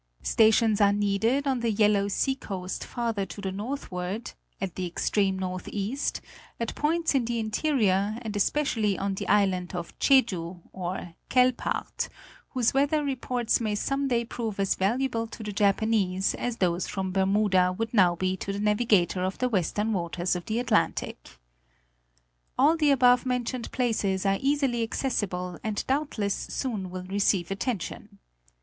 Stations are needed on the Yellow Sea coast farther to the northward, at the extreme northeast, at points in the interior, and especially on the island of Cheju, or Quelpaert, whose weather reports may some day prove as valuable to the Japanese as those from Bermuda would now be to the navigator of the western waters of the Atlantic. All the above mentioned places are easily accessible and doubtless soon will receive attention.